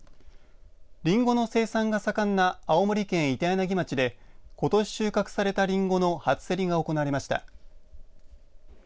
りんごの生産が盛んな青森県板柳町でことし収穫されたりんごの初競りが行われました。